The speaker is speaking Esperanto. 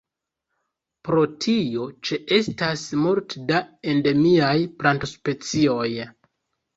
Pro tio ĉeestas multe da endemiaj plantospecioj.